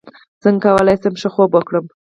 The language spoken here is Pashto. څنګه کولی شم ښه خوب وکړم